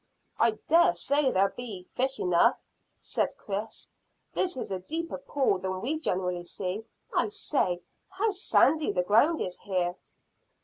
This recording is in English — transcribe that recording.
"I dare say there'll be fish enough," said Chris. "This is a deeper pool than we generally see. I say, how sandy the ground is here!"